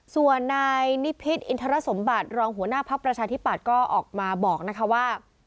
ส่วนนายนิพิษอินทรสมบัติรองหัวหน้าภักดิ์ประชาธิปัตย์ก็ออกมาบอกนะคะว่า